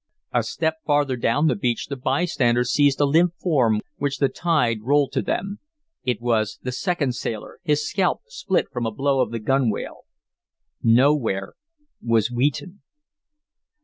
A step farther down the beach the by standers seized a limp form which the tide rolled to them. It was the second sailor, his scalp split from a blow of the gunwale. Nowhere was Wheaton.